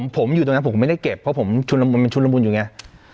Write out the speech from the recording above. ผมอยู่ตรงนั้นผมก็ไม่ได้เก็บเพราะผมมันชุนละมุนอยู่ไง